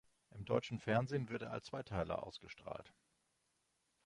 Im deutschen Fernsehen wird er als Zweiteiler ausgestrahlt.